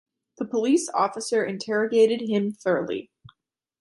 The police officer interrogated him thoroughly.